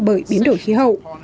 bởi biến đổi khí hậu